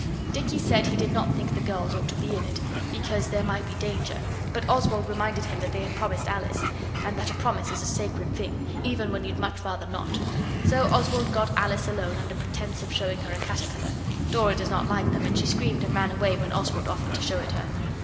Dicky said he did not think the girls ought to be in it, because there might be danger, but Oswald reminded him that they had promised Alice, and that a promise is a sacred thing, even when you'd much rather not. So Oswald got Alice alone under pretence of showing her a caterpillar Dora does not like them, and she screamed and ran away when Oswald offered to show it her.